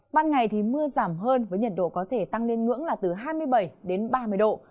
ban ngày thì mưa giảm hơn với nhiệt độ có thể tăng lên ngưỡng là từ hai mươi bảy đến ba mươi độ